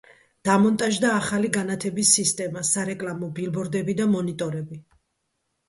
დამონტაჟდა ახალი განათების სისტემა, სარეკლამო ბილბორდები და მონიტორები.